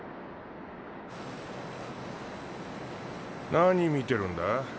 何見てるんだ？